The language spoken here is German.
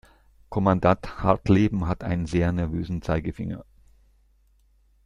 Kommandant Hartleben hat einen sehr nervösen Zeigefinger.